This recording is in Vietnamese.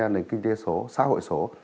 nền kinh tế số xã hội số